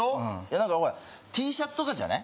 なんかほらＴシャツとかじゃない？